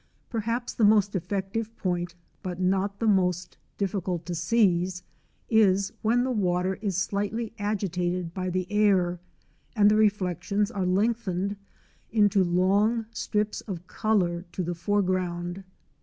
Perhaps the most effective point, but not the most difficult to seize, is when the water is slightly agitated by the air, and the reflections are lengthened into long strips of colour to the foreground.